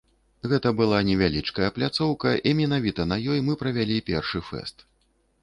Гэта была невялічкая пляцоўка і менавіта на ёй мы правялі першы фэст.